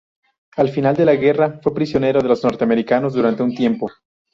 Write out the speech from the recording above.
Al final de la guerra fue prisionero de los norteamericanos durante un tiempo.